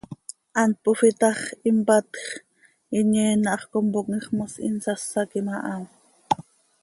Hant pofii ta x, impatj x, inyeen hax compooquim x, mos insásaquim aha.